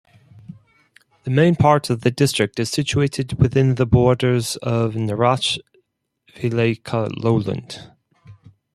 The main part of the district is situated within the borders of Narach-Vileyka lowland.